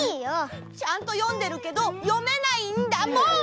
ちゃんと読んでるけど読めないんだもん！